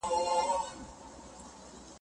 له اوښکو او موسکا پرته